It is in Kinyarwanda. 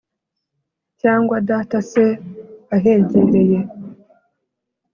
Cyangwa data se ahegereye,